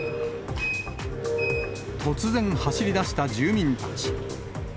突然、走りだした住民たち。